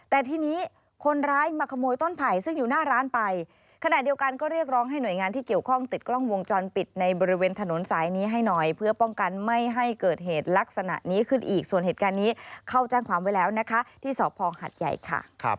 แต่ทีนี้คนร้ายมาขโมยต้นไผ่ซึ่งอยู่หน้าร้านไปขณะเดียวกันก็เรียกร้องให้หน่วยงานที่เกี่ยวข้องติดกล้องวงจรปิดในบริเวณถนนสายนี้ให้หน่อยเพื่อป้องกันไม่ให้เกิดเหตุลักษณะนี้ขึ้นอีกส่วนเหตุการณ์นี้เข้าแจ้งความไว้แล้วนะคะที่สอบพองหัดใหญ่ค่ะ